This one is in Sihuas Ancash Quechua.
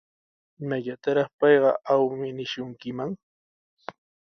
¿Imallataraqa payqa awniykishunkiman?